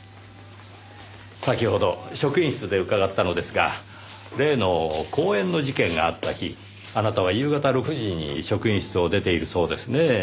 先ほど職員室で伺ったのですが例の公園の事件があった日あなたは夕方６時に職員室を出ているそうですねぇ。